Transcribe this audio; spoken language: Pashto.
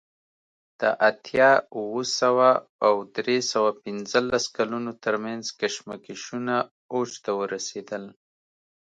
د اتیا اوه سوه او درې سوه پنځلس کلونو ترمنځ کشمکشونه اوج ته ورسېدل